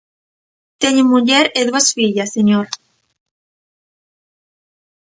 Teño muller e dúas fillas, señor.